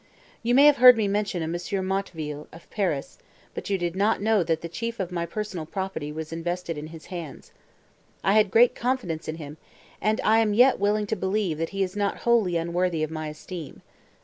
You may have heard me mention a M. Motteville, of Paris, but you did not know that the chief of my personal property was invested in his hands. I had great confidence in him, and I am yet willing to believe, that he is not wholly unworthy of my esteem.